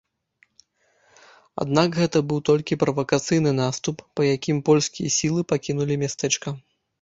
Аднак гэта быў толькі правакацыйны наступ, па якім польскія сілы пакінулі мястэчка.